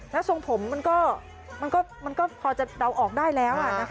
แล้วทรงผมมันก็พอจะเดาออกได้แล้ว